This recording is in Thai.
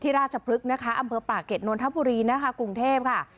ที่ราชพลึกนะคะอำเภอปลาเก็ตนนทพุรีนะคะกรุงเทพฯค่ะ